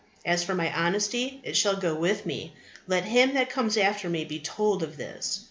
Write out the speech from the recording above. As for my honesty, it shall go with me: let him that comes after me be told of this.